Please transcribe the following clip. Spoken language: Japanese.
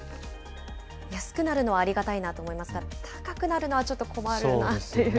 安くなるのはありがたいなと思いますが、高くなるのはちょっと困るなっていう。